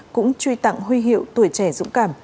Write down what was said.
cũng truy tặng huy hiệu tuổi trẻ dũng cảm